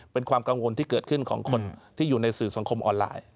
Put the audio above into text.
เป็นความกังวลที่เกิดขึ้นของคนที่อยู่ในสื่อสังคมออนไลน์